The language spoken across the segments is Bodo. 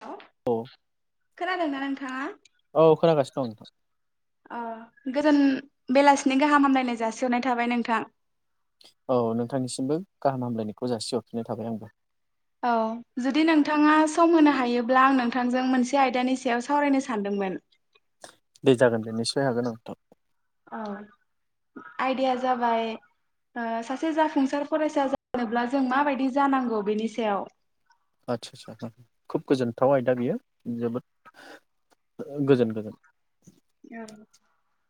[unintelligible] औ खोनादोंना नोंथाङा? औ खोनागासिनो दं नोंथां आ गोजोन बेलासिनि गाहाम हामलायनाय जासिहरनाय थाबाय नोंथां। औ नोंथांनिसिमबो गाहाम हामलायनायखौ जासिहरफिननाय थाबाय आंबो। औ जुदि नोंथाङा सम होनो हायोब्ला आं नोंथांजों मोनसे आयदानि सायाव सावरायनो सानदोंमोन। दे जागोन दे निसय हागोन आं [unintelligible] [unintelligible] आयदाया जाबाय ओ सासे जाफुंसार फरायसा जानोब्ला जों माबायदि जानांगौ बेनि सायाव आतसा सा खुब गोजोनथाव आयदा बेयो जोबोद गोजोन गोजोन [unintelligible]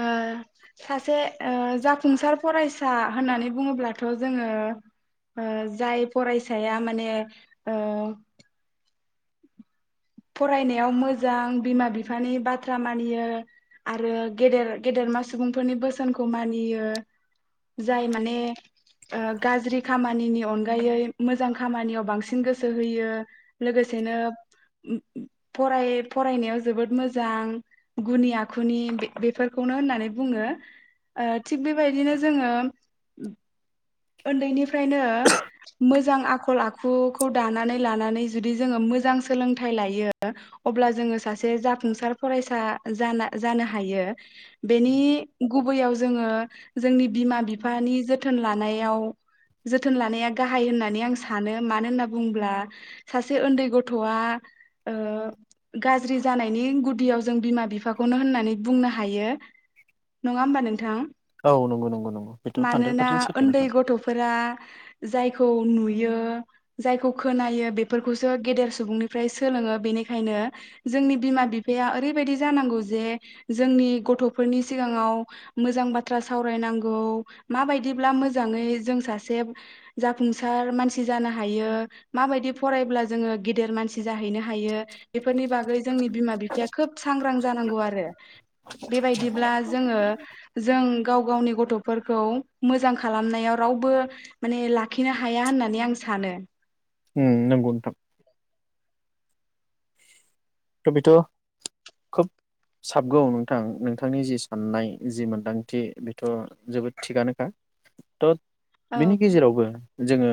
ओ सासे ओ जाफुंसार फरायसा होननानै बुङोब्लाथ' जोङो ओ जाय फरायसाया माने ओ फरायनायाव मोजां बिमा बिफानि बाथ्रा मानियो आरो गेदेर गेदेरमा सुबुंफोरनि बोसोनखौ मानियो जाय माने ओ गाज्रि खामानिनि अनगायै मोजां खामानियाव बांसिन गोसो होयो लोगोसेनो [unintelligible] फराय फरायनायाव जोबोद मोजां गुनि आखुनि बे बेफोरखौनो होननानै बुङो ओ थिग बेबायदिनो जोङो ओन्दैनिफ्रायनो मोजां आखल आखुखौ दानानै लानानै जुदि जोङो मोजां सोलोंथाइ लायो अब्ला जोङो सासे जाफुंसार फरायसा जाना जानो हायो बेनि गुबैयाव जोङो जोंनि बिमा बिफानि जोथोन लानाय याव जोथोन लानाया गाहाय होननानै आं सानो मानो ओनना बुंब्ला सासे ओन्दै गथ'आ ओ गाज्रि जानायनि गुदियाव जों बिमा बिफाखौनो होननानै बुंनो हायो नङा होमबा नोंथां? औ नंगौ नंगौ नंगौ बेथ' हानद्रेद पारसेन्ट सि ओन्दै गथ'फोरा जाय खौ नुयो जायखौ खोनायो बेफोरखौसो गेदेर सुबुंनिफ्राय सोलोङो बेनिखायनो जोंनि बिमा बिफाया ओरैबायदि जानांगौ जे जोंनि गथ'फोरनि सिगाङाव मोजां बाथ्रा सावरायनांगौ माबायदि ब्ला मोजाङै जों सासे जाफुंसार मानसि जानो हायो माबायदि फरायब्ला जोङो गेदेर मानसि जाहैनो हायो बेफोरनि बागै जोंनि बिमा बिफाया खोब सांग्रां जानांगौ आरो बेबायदिब्ला जोङो जों गाव गावनि गथ'फोरखौ मोजां खालामनायाव रावबो माने लाखिनो हाया होननानै आं सानो। उम नोंगौ नोंथां। [unintelligible] बेथ' खोब साबगौ नोंथां नोंथांनि जि साननाय जि मोनदांथि बेथ' जोबोद थिगानोखा त' औ बेनि गेजेरावबो जोङो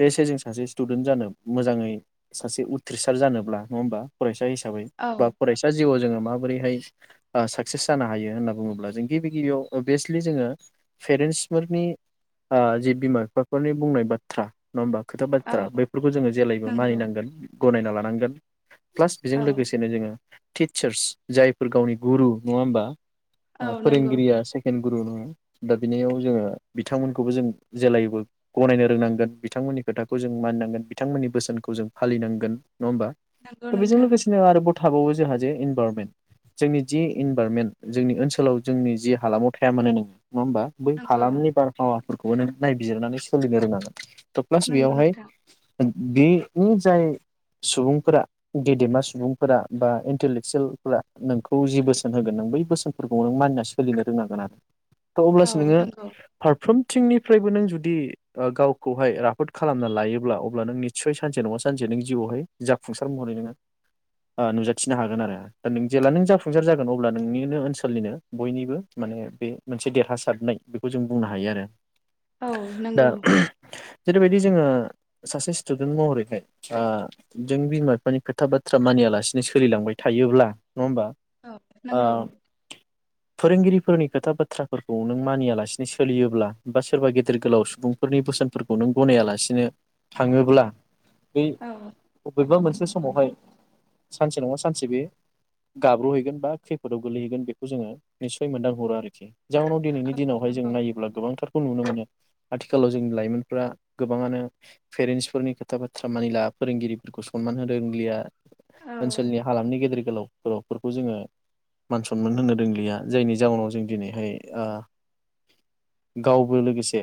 [unintelligible] जों सासे स्टुदेन्ट जानो मोजाङै सासे उथ्रिसार जानोब्ला नङा ओमबा? फरायसा [unintelligible] औ [unintelligible] बा फरायसा जिउआव जोङो माबोरैहाय ओ साकसेस जानो हायो होन्ना बुङोब्ला जों गिबि गिबियाव अबेसलि जोङो पेरेन्सफोरनि ओ जि बिमा बिफाफोरनि बुंनाय बाथ्रा नङा होमबा खोथा औ बाथ्रा बेफोरखौ जोङो जेलायबो नंगौ मानिनांगोन । गनायना लानांगोन । प्लास बेजों औ लोगोसेनो जोङो टिचार्स जायफोर गावनि गुरु नङा ओमबा? औ ओ नंगौ फोरोंगिरिया सेकेणड गुरु नो दा बिनियाव जोङो बिथांमोनखौबो जों जेलायबो गनायनो रोंनांगोन बिथांमोननि खोथाखौ जों मानिनांगोन बिथांमोननि बोसोनखौ जों फालिनांगोन नङा ओमबा? नंगौ बेजों नोंथां लोगोसेनो आरो [unintelligible] थाबावो जोंहा जे इनभारमेन्ट जोंनि जि इनभारनमेन्ट जोंनि ओनसोलाव जोंनि जि हालामाव थाया मानो [unintelligible] नङा ओमबा बै नंगौ हालामनि बारहावा फोरखौबो नों नायबिजिरनानै सोलिनो रोंनांगोन । थ प्लास नंगौ बियावहाय नोंथां बि नि जाय सुबुंफोरा गेदेमा सुबुंफोरा बा इन्टेलेक्सुयेलफोरा नोंखौ जि बोसोन होगोन नों बै बोसोनफोरखौ नों मानिना सोलिनो रोंनांगोन आरो । थ औ अब्लासो नोङो नंगौ फारफ्रोम थिंनिफ्रायबो नों जुदि गावखौहाय राफोद खालामना लायोब्ला अब्ला नों निस्सय सानसे नङा सानसे नों जिउआवहाय जाफुंसार महरै नोङो ओ नुजाथिनो हागोन आरो दा नों जेब्ला नों जाफुंसार जागोन अब्ला नोंनिनो ओनसोलनिनो बयनिबो माने बे मोनसे देरहासारनाय बेखौ जों बुंनो हायो आरो । औ नंगौ । जेरैबायदि जोङो सासे स्टुडेन्ट महरैहाय ओ जों बिमा बिफोरानि खोथा बाथ्रा मानियालासिनो सोलिलांबाय थायोब्ला नङा होमबा औ आ नंगौ फोरोंगिरिफोरनि खोथा बाथ्राफोरखौ नों मानियालासिनो सोलियोब्ला बा सोरबा गेदेर गोलाव सुबुंफोरनि बोसोनफोरखौ नों बै औ बबेबा मोनसे समावहाय सानसे नङा सानसे बे गाब्रहैगोन बा खैफोदाव गोलैहैगोन बेखौ जोङो निसय मोनदां हरो आरोखि । जाउनाव औ दिनैनि दिनावहाय जों नंगौ नायोब्ला गोबांथार खौ नुनो मोनो आथिखालाव जोंनि लाइमोनफोरा गोबाङानो पेरेन्टसफोरनि खोथा बाथ्रा मानिला फोरोंगिरिफोरखौ सनमान हो रोंलिया औ । ओनसोलनि हालामनि गेदेर गोलाव बरफोरखौ जोङो मान सनमान होनो रोंलिया जायनि जाउनाव जों दिनैहाय गावबो लोगोसे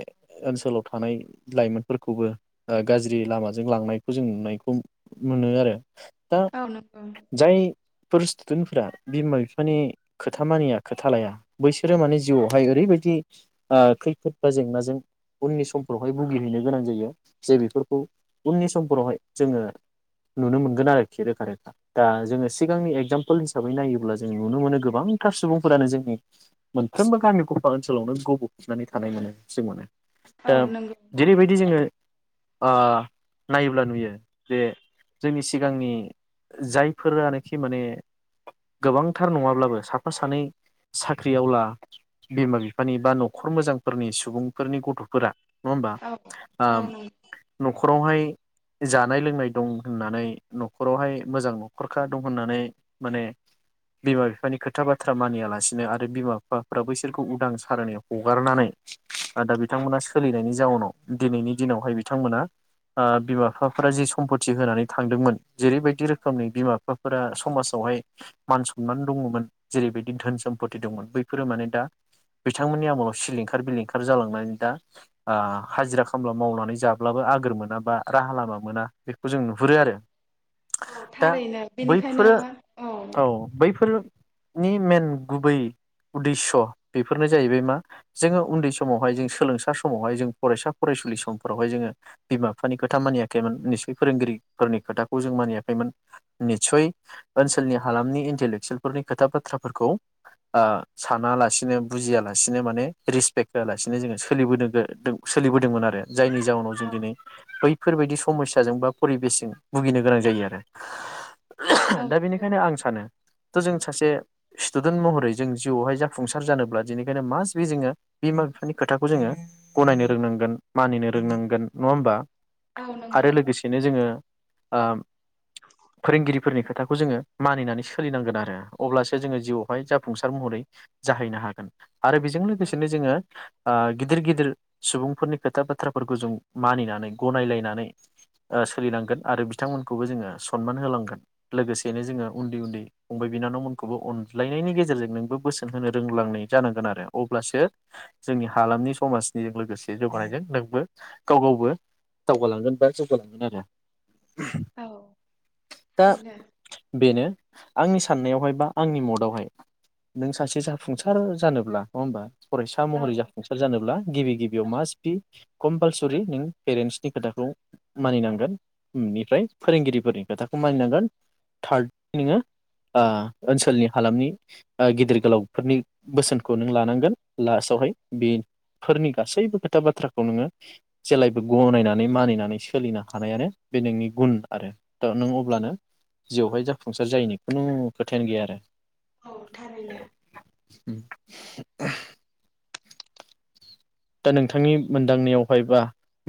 ओनसोलाव थानाय लाइमोनफोरखौबो गाज्रि लामाजों लांनायखौ जों नुनायखौ । मोनो आरो । औ नंगौ । फोर स्टुदेन्टफोरा बिमा बिफानि खोथा मानिया खोथा लाया बैसोरो माने जिउआवहाय ओरैबायदि ओ‌ खैफोद बा जेंनाजों उननि समफोरावहाय भुगिहैनो गोनां जायो जे बेफोरखौ उननि समफोरावहाय जोङो । नुनो मोनगोन आरोखि रोखा रोखा दा जोङो सिगांनि एगजामपोल हिसाबै नायोब्ला जों नुनो मोनो गोबां औ दा नंगौ जेरैबायदि जोङो आ नायोब्ला नुयो । जे जोंनि सिगांनि जायफोरानोखि माने गोबांथार नङाब्लाबो साफा सानै साख्रिआवला बिमा बिफानि बा नखर मोजांफोरनि सुबुंफोरनि गथफोरा नङा होमबा औ आ औ नंगौ नखरावहाय जा जानाय लोंनाय दं होननानै नखरावहाय मोजां नखरखा दं होननानै माने बिमा बिफानि खोथा बाथ्रा मानियालासिनो आरो बिमा बिफाफ्रा बैसोरखौ उदां सारनाय हगारनानै दा बिथांमोना सोलिनायनि जाउनाव दिनैनि दिनावहाय बिथांमोना बिमा बिफा फोरा जि सम्पति होनानै थांदोंमोन जेरैबायदि रोखोमनि बिमा बिफाफोरा समाजावहाय मान सनान दङमोन जेरैबायदि धोन सम्पति दंमोन बैफोरो माने दा बिथांमोननि आमोलाव सिलिंखार बिलिंखार जालांनानै दा हाजिरा खामला मावनानै जाब्लाबो आगोर मोनाबा राहा लामा मोना बेखौ जों नुहुरो आरो औ । दा थारैनो बेनिखायनो बैफोरो औ बैफोरो नि मेन गुबै उदेस्स बेफोरनो जाहैबाय मा जोङो उन्दै समावहाय जों सोलोंसा समावहाय जों फरायसा फरायसुलि समफोरावहाय जोङो बिमा बिफानि खोथा मानिया खमोन निस्सय फोरोंगिरिफोरनि खोथाखौ जों मानियाखैमोन निसय ओनसोलनि हालामनि इन्टेलेक्सुयेलफोरनि खोथा बाथ्राफोरखौ साना लासिनो बुजियालासिनो माने रिसपेक्ट होआलासिनो जोङो सोलिबोदों सोलिबोदोंमोन आरो । जायनि जाउनाव जों औ दिनै बै फोर बायदि स समस्याजों बा परिबेसजों भुगिनो गोनां जायो आरो औ । दा नंगौ बेनिखायनो आं सानो थ' जों सासे स्टुडेन्ट महरै जों जिउआवहाय जाफुंसार जानोब्ला बिनिखायनो मासट बे जोङो बिमा बिफानि खोथाखौ जोङो गनायनो रोंनांगोन मानिनो रोंनांगोन नङा होमबा औ आरो नंगौ लोगोसेनो जोङो ओ फोरोंगिरिफोरनि खो खोथाखौ जोङो मानिनानै सोलिनांगोन आरो अब्लासो जोङो जिउआवहाय जाफुंसार महरै जाहैनो हागोन। आरो बेजों औ लोगोसेनो जोङो ओ गिदिर गिदिर सुबुंफोरनि खोथा बाथ्राफोरखौ जों मानिनानै गनायलायनानै ओ सोलिलांगोन आरो बिथांमोनखौबो जोङो सनमान होलांगोन लोगोसेनो जोङो उन्दै उन्दै फंबाय बिनानावमोनखौबो अनलायनायनि गेजेरजों नोंबो बोसोन होनो रोंलांनाय जानांगोन आरो अब्लासो जोंनि हालामनि समाजनिजों लोगोसे जौगानायजों नोंबो गाव गावबो दावगालांगोन। [unintelligible] [unintelligible] औ दा थारैनो बेनो आंनि साननायावहाय बा आंनि मदावहाय नों सासे जाफुंसार जानोब्ला नङा होमबा फरायसा औ महरै जाफुंसार जानोब्ला गिबि गिबियाव मास बि कम्पालसरि नों पेरेन्टसनि खोथाखौ मानिनांगोननिफ्राय फोरोंगिरिफोरनि खोथाखौ मानिनांगोन थार्ड नोङो ओनसोलनि हालामनि गिदिर गोलावफोरनि बोसोनखौ नों लानांगोन लास्टावहाय बेफोरनि गासैबो खोथा बाथ्राखौ नोङो जेबायबो गनायनानै मानिनानै सोलिनो हानायानो बे नोंनि गुन आरो दा नों अब्लानो जिआवहाय जाफुंसार जायैनि खुनु खोथायानो गैया आरो। औ थारैनो उ‌म [unintelligible] दा नोंथांनि मोनदांनायावहायबा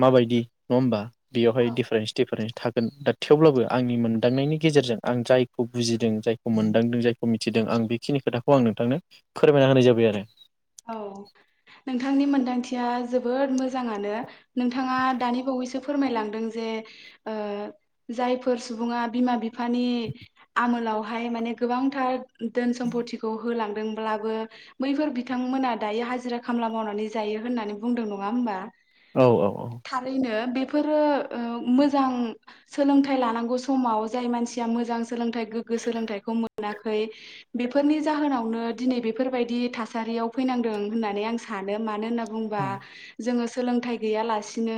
माबायदि नङा हबा बेयावहाय दिडिफारेन्स दिडिफारेन्स थागोन दा थेवब्लाबो आंनि मोनदांनायनि गेजेरजों आं जायखौ बुजिदों जायखौ मोनदांदों जायखौ मिथिदों आं बेखिनि खोथाखौ आं नोंथांनो फोरमायना होनाय जाबाय आरो औ नोंथांनि मोन्दांथिया जोबोद मोजाङानो नोंथाङा दानि बावैसो फोरमायलांदों जे जायफोर सुबुङा बिमा बिफानि आमोलाव बवहाय माने गोबांथार धोन सम्पतिखौ होलाङो ओमब्लाबो बैफोर बि थांमोना दायो हाजिरा खामला मावनानै जायो होननानै बुंदों । नङा होमबा? औ औ औ थारैनो बे फोरो ओ मोजां सोलोंथाय लानांगौ समाव जाय मानसिया मोजांस सोलोंथाइ गोग्गो सोलोंथाइखौ मोन मोनाखै बेफोरनि जाहोनावनो दिनै बेफोरबायदि थास सारियाव फैनांदों होननानै आं सानो मानो होनना बुंबा उम जोङो सोलोंथाइ गैयालासिनो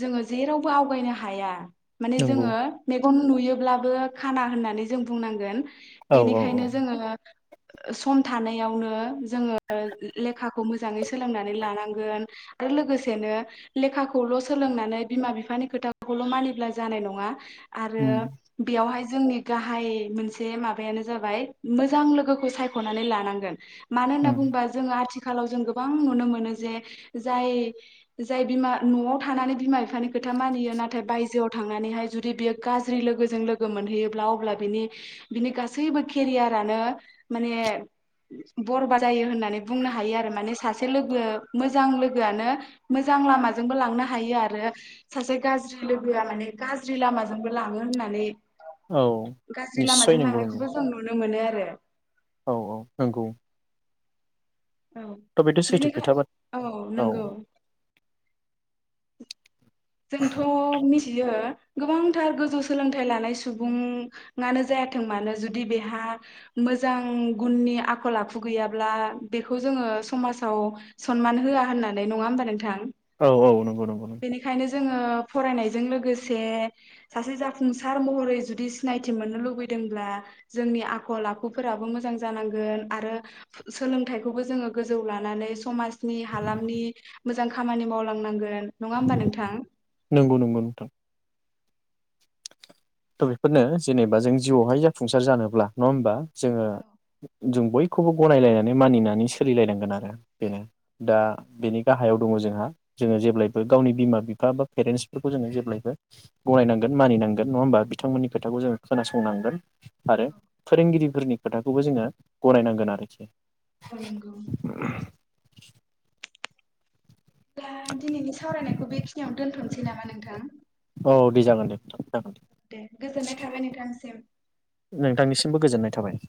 जोङो जेरावबो आवगायनो हाया । माने नंगौ जोङो मे गन नुयोब्लाबो खाना होननानै जों बुंनांगोन । औ औ औ बेनिखायनो जोङो ओ सम थानायावनो जोङो लेखाखौ मोजाङै सो सोलोंनानै लानांगोन। गोर-लोगोसेनो लेखाखौल' सोलोंनानै बिमा बिफानि खोथाखौल' मानिब्ला जानाय नङा। आरो उम बेयावहाय जो जोंनि गाहाय मोनसे माबायानो जाबाय मोजां लोगोखौ सायख'नानै लानांगोन। मानो होनना उम बुङोबा जोङो आथि खालाव जों गोबां नुनो मोनो जे जाय-जाय बिमा न'आव थानानै बिमा बिफानि खोथा मानियो नाथाय बायजोआव थांनानैहाय जुदि बियो गाज्रि लोगोजों लोगो मोनहैयोब्ला अब्ला बिनि-बिनि गासैबो केरियारानो माने बरबा जायो होननानै बुंनो हायो आरो माने सासे लोगो मोजां लोगोआनो मोजां लामाजोंबो लांनो हायो आरो सासे गाज्रि लोगोआ माने गाज्रि लामाजोंबो लाङो होननानै औ ओं गाज्रि निस्सय लामाजों लांनायखौबो जों नुनो मोनो । जेराव औ-औ नोंगौ । औ बेनिखाय खोथा बा औ नोंगौ । जोंथ' मिथियो। गोबांथार गोजौ सोलोंथाइ लानाय सुबुंआनो जायाथों मानो जुदि बेहा मोजां गुननि आखल आखु गैयाब्ला बेखौ जोङो समाजाव सनमान होआ होननानै नङा होमबा नोंथां? औ-औ नंगौ-नंगौ-नंगौ। बेनिखायनो जोङो फरायनायजों लोगोसे सासे जाफुंसार महरै जुदि सिनायथि मोननो लुबैदोंब्ला जोंनि आखल आखुफोराबो मोजां जानांगोन आरो फु-सोलोंथाइखौबो जोङो गोजौ लानानै समाजनि हालामनि मोजां खामानि मावलांनांगोन नङा होमबा नोंथां? दां नोंगौ नोंगौ नोंथां त बेफोरनो जेनेबा जों जिउआवहाय जाफुंसार जानोब्ला नङा होमबा? जोङो जों बयखौबो गनायलायनानै मानिनानै सोलिलायनांगोन आरो बेनो दा बेनि गाहायाव दङ जोंहा जोङो जेब्लायबो गावनि बिमा बिफा बा पेरेन्सफोरखौ जोङो जेब्लायबो गनायनांगोन मानिनांगोन नङा होमबा बिथांमोननि खोथाखौ जोङो खोनासंनांगोन । आरो फोरोंगिरिफोरनि खोथाखौबो जोङो गनायनांगोन आरोखि मा नोंगौ। [unintelligible] ब्ला दिनैनि सावरायनायखौ बेखिनियावनो दोनथ'नोसै नामा नोंथां। दों। औ दै जागोन दे जागोन गोजोननाय दे थाबाय नोंथांसिम। नोंथांनिसिमबो गोजोननाय थाबाय।